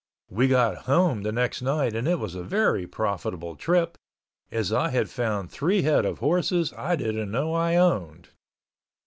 We got home the next night and it was a very profitable trip, as I had found three head of horses I didn't know I owned.